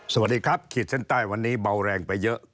สวัสดีครับขีดเส้นใต้วันนี้เบาแรงไปเยอะ